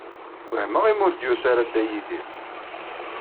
Wehmeɣ imi ur d-yusi ara Dda Yidir.